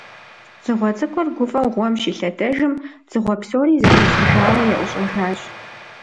Дзыгъуэ цӀыкӀур гуфӀэу гъуэм щилъэдэжым, дзыгъуэ псори зэхуэсыжауэ яӀущӀэжащ.